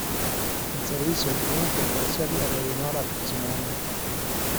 El servicio tiene una frecuencia diaria de una hora aproximadamente.